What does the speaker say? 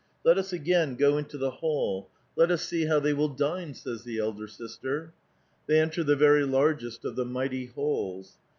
" Let us again go into the hall ; let us see how they will dine," says the elder sister. They enter the very largest of the mighty halls.